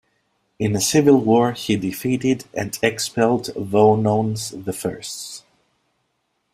In a civil war he defeated and expelled Vonones the First.